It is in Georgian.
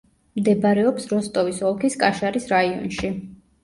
მდებარეობს როსტოვის ოლქის კაშარის რაიონში.